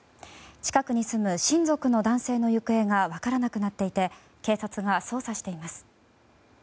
近くに住む親族の男性の行方が分からなくなっていて警察が捜査しています。